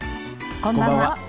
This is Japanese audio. こんばんは。